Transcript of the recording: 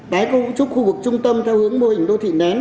tái cấu trúc khu vực trung tâm theo hướng mô hình đô thị nén